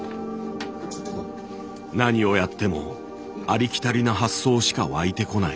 何をやってもありきたりな発想しか湧いてこない。